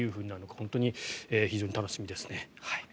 本当に非常に楽しみですね。